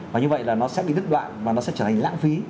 và như vậy là nó sẽ bị đứt đoạn và nó sẽ trở thành lãng phí